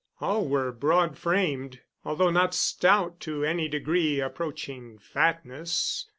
All were broad framed, although not stout to any degree approaching fatness.